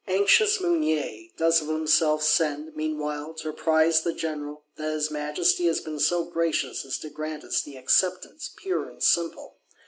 Anxious Mounier does of himself send, meanwhile, to apprise the General that his Majesty has been so gracious as to grant us the Acceptance pure and simple.